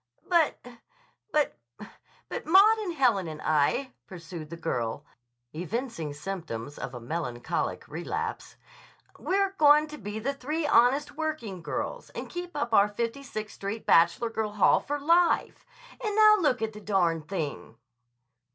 "But—but—but Maud and Helen and I," pursued the girl, evincing symptoms of a melancholic relapse, "were going to be the Three Honest Working Girls and keep up our Fifty Sixth Street bachelor girl hall for life. And now look at the darn thing!"